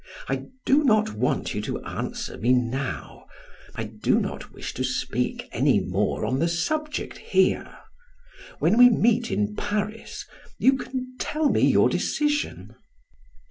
I do not want you to answer me now. I do not wish to speak any more on the subject here. When we meet in Paris, you can tell me your decision."